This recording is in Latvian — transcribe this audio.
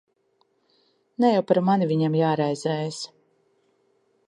Ne jau par mani viņam jāraizējas.